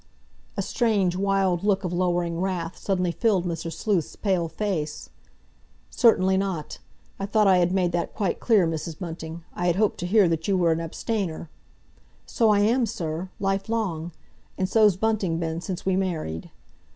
A strange, wild look of lowering wrath suddenly filled Mr. Sleuth's pale face. "Certainly not. I thought I had made that quite clear, Mrs. Bunting. I had hoped to hear that you were an abstainer—" "So I am, sir, lifelong. And so's Bunting been since we married."